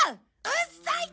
うっさい！